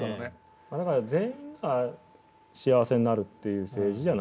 だから全員が幸せになるっていう政治じゃないですよね。